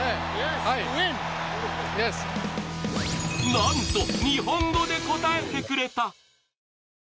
なんと、日本語で答えてくれた。